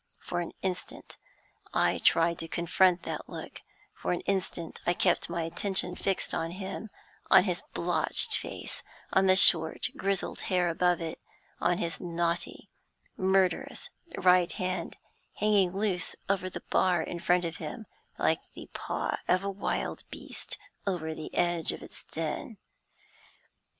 For an instant I tried to confront that look; for an instant I kept my attention fixed on him on his blotched face on the short, grizzled hair above it on his knotty, murderous right hand, hanging loose over the bar in front of him, like the paw of a wild beast over the edge of its den.